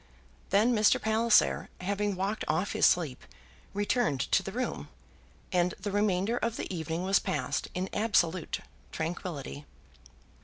Then Mr. Palliser having walked off his sleep, returned to the room, and the remainder of the evening was passed in absolute tranquillity.